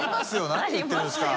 何言ってるんですか。